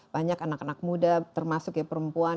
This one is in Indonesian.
banyak anak anak muda termasuk ya perempuan